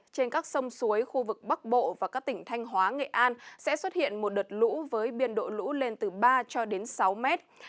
trên các sông suối khu vực bắc bộ và các tỉnh thanh hóa nghệ an sẽ xuất hiện một đợt lũ với biên độ lũ lên từ ba cho đến sáu mét